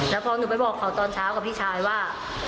จับความดูไม่บอกมาตอนเช้ากับพี่ชายว่า